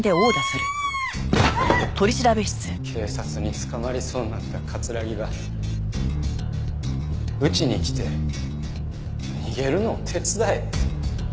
警察に捕まりそうになった木がうちに来て逃げるのを手伝えって。